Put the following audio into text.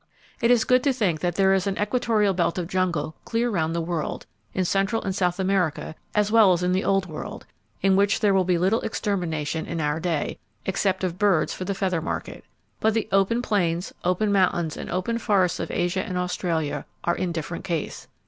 It is good to think that there is an equatorial belt of jungle clear around the world, in Central and South America as well as in the old World, in which there will be little extermination in our day, except of birds for the feather market. But the open plains, open mountains, and open forests of Asia and Australasia are in different case.